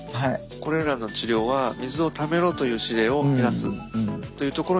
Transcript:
これらの治療は水をためろという指令を減らすというところに効くと考えられます。